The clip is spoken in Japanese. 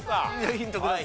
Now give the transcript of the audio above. ヒントください。